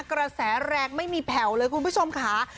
กระแสแรงไม่มีแผ่วเลยคุณผู้ชมค่ะ